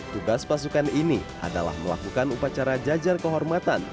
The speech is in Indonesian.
tugas pasukan ini adalah melakukan upacara jajar kehormatan